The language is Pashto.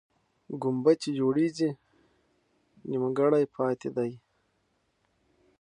ګمبد چې جوړېږي، نیمګړی پاتې دی.